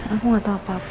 aku gak tau apa apa